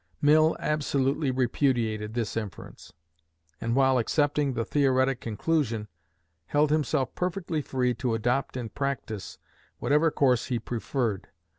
Mill absolutely repudiated this inference, and, while accepting the theoretic conclusion, held himself perfectly free to adopt in practice whatever course he preferred.